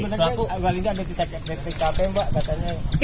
karena balinda ada ticatnya ticatnya mbak katanya